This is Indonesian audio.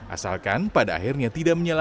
asalkan pada akhirnya tidak menyalahkan